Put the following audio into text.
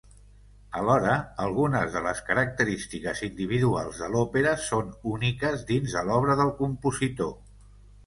Alhora, algunes de les característiques individuals de l'òpera són úniques dins de l'obra del compositor.